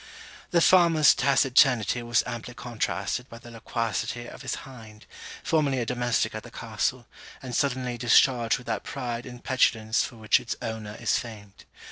The farmer's taciturnity was amply contrasted by the loquacity of his hind, formerly a domestic at the castle, and suddenly discharged with that pride and petulance for which its owner is famed.